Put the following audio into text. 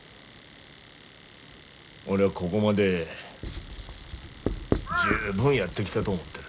俺はこごまで十分やってきたと思ってる。